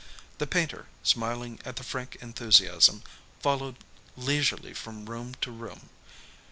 The painter, smiling at the frank enthusiasm, followed leisurely from room to room.